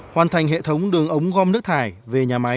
hoàn thành hệ thống đường ống gom nước thải về nhà máy